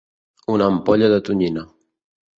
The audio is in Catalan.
Una ampolla de tonyina.